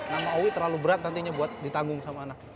nama owi terlalu berat nantinya buat ditanggung sama anak